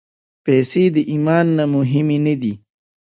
پېسې د ایمان نه مهمې نه دي.